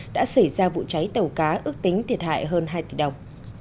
đã xảy ra vụ cháy tàu cá ước tính thiệt hại hơn hai tỷ đồng